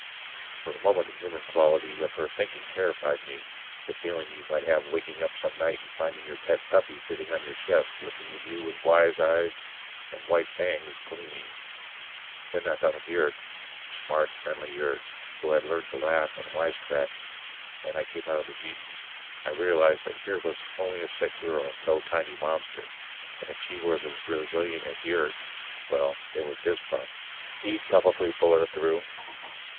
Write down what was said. For a moment the human quality of her thinking terrified me ... the feeling you might have waking up some night and finding your pet puppy sitting on your chest, looking at you with wise eyes and white fangs gleaming ... Then I thought of Yurt smart, friendly Yurt, who had learned to laugh and wisecrack and I came out of the jeebies. I realized that here was only a sick girl, no tiny monster. And if she were as resilient as Yurt ... well, it was his problem. He'd probably pull her through.